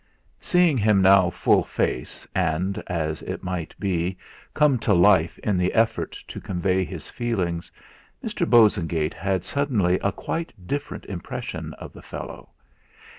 Seeing him now full face, and, as it might be, come to life in the effort to convey his feelings, Mr. Bosengate had suddenly a quite different impression of the fellow.